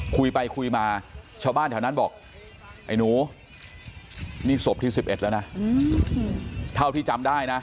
คุยไปคุยมาชาวบ้านแถวนั้นบอกไอ้หนูนี่ศพที่๑๑แล้วนะเท่าที่จำได้นะ